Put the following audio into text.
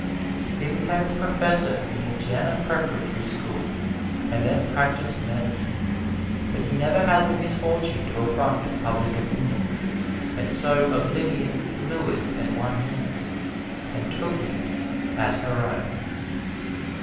He became a professor in a Jena preparatory school and then practised medicine; but he never had the misfortune to affront public opinion, and so oblivion lured and won him, and took him as her own.